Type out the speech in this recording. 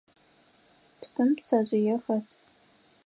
Псым пцэжъые хэс.